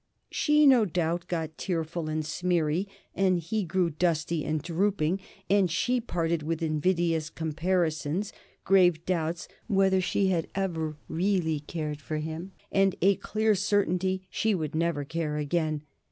She no doubt got tearful and smeary, and he grew dusty and drooping, and she parted with invidious comparisons, grave doubts whether she ever had REALLY cared for him, and a clear certainty she would never care again.